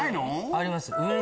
あります。